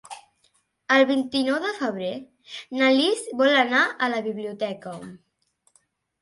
El vint-i-nou de febrer na Lis vol anar a la biblioteca.